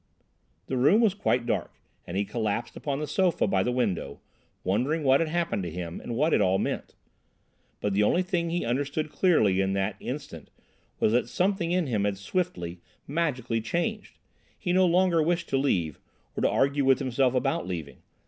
The room was quite dark, and he collapsed upon the sofa by the window, wondering what had happened to him and what it all meant. But the only thing he understood clearly in that instant was that something in him had swiftly, magically changed: he no longer wished to leave, or to argue with himself about leaving.